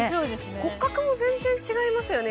骨格も全然違いますよね